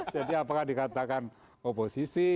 jadi apakah dikatakan oposisi